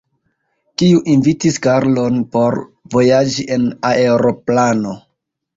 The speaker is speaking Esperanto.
Kiu invitis Karlon por vojaĝi en aeroplano?